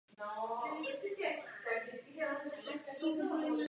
Průchod úžinou je povolen pouze proti toku potoka směrem vzhůru po zelené turistické trase.